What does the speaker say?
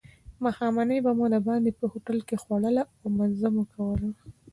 ماښامنۍ به مو دباندې په هوټل کې خوړله او مزه مو کوله.